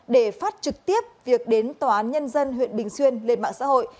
để phát trực tiếp việc đến tòa án nhân dân huyện bình xuyên lên mạng xã hội